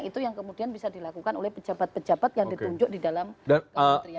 itu yang kemudian bisa dilakukan oleh pejabat pejabat yang ditunjuk di dalam kementerian